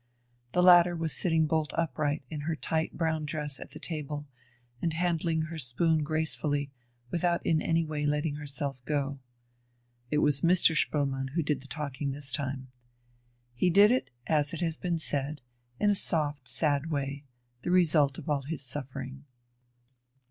The latter was sitting bolt upright in her tight brown dress at the table, and handling her spoon gracefully, without in any way letting herself go. It was Mr. Spoelmann who did the talking this time. He did it, as has been said, in a soft, sad way, the result of all his suffering.